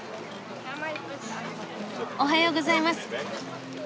おはようございます。